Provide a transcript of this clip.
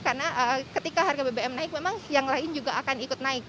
karena ketika harga bbm naik memang yang lain juga akan ikut naik